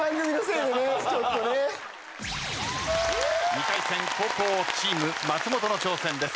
２回戦後攻チーム松本の挑戦です。